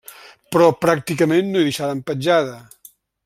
Però, pràcticament no hi deixaren petjada.